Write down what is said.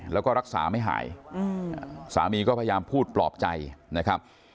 แล้วก็รักษาไม่หายสามีก็พยายามพูดปลอบใจนะครับ